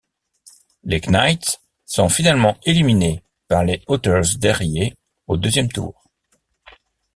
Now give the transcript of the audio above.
Les Knights sont finalement éliminés par les Otters d'Érié au deuxième tour.